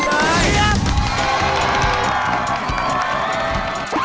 เตรียม